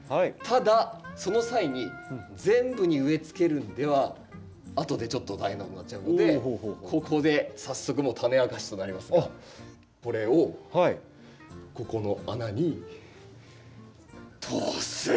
ただその際に全部に植えつけるのでは後でちょっと大変なことになっちゃうのでここで早速もう種明かしとなりますがこれをここの穴に通す。